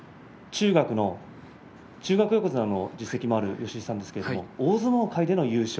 中学横綱の実績もある吉井さんですが大相撲界での優勝